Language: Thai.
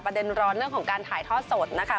เด็นร้อนเรื่องของการถ่ายทอดสดนะคะ